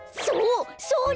そう！